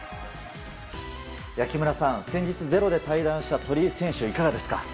木村さん、先日「ｚｅｒｏ」で対談した鳥居選手いかがですか？